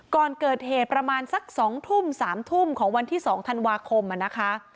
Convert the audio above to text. ก่อนเกิดเหตุประมาณสัก๒ทุ่ม๓ทุ่มของวันที่๒ธันวาคมนะคะ